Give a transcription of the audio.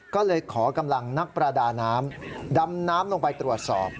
ก็เลยขอกำลังนักประดาน้ำดำน้ำลงไปตรวจสอบ